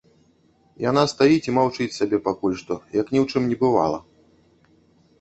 Яна стаіць і маўчыць сабе пакуль што, як ні ў чым не бывала.